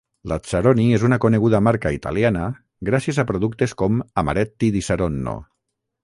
Lazzaroni és una coneguda marca italiana gràcies a productes com Amaretti di Saronno.